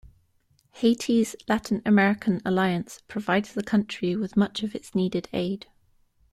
Haiti's Latin American alliance provides the country with much of its needed aid.